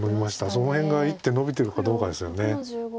その辺が１手のびてるかどうかですよね。